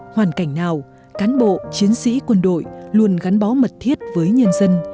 hoàn cảnh nào cán bộ chiến sĩ quân đội luôn gắn bó mật thiết với nhân dân